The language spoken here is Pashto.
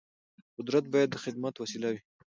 قدرت باید د خدمت وسیله وي